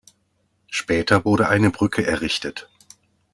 Später wurde eine Brücke errichtet.